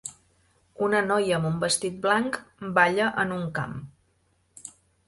Una noia amb un vestit blanc balla en un camp.